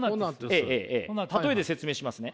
例えで説明しますね。